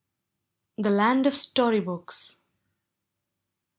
THE LAND OF STORY BOOKS.